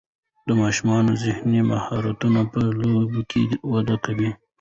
د ماشومانو ذهني مهارتونه په لوبو کې وده کوي.